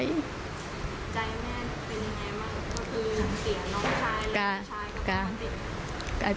ใจแม่มัวเป็นไงมั้ย